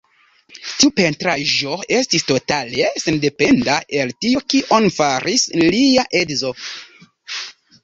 Tiu pentraĵo estis totale sendependa el tio kion faris lia edzo.